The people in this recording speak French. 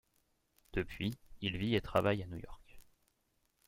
Depuis, il vit et travaille à New York.